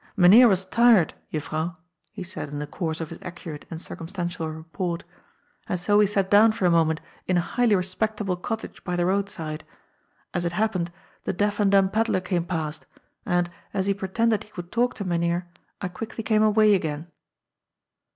" Mynheer was tired, Juffrouw," he said in the course of his accurate and circumstantial report, " and so we sat down for a moment in a highly respectable cottage by the road side. As it happened, the deaf and dumb pedlar came past. 266 C^OD'S POOL. and) as he pretended he could talk to Mynheer, I qnickly came away again."